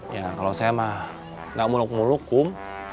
ya kalau saya mah nggak muluk muluk kum